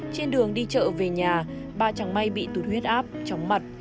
khi trợ về nhà bà chẳng may bị tụt huyết áp chóng mặt